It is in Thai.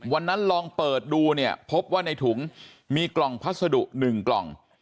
ลองเปิดดูเนี่ยพบว่าในถุงมีกล่องพัสดุ๑กล่อง